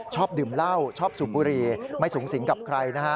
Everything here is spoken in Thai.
ชอบดื่มเหล้าชอบสูบบุหรี่ไม่สูงสิงกับใครนะฮะ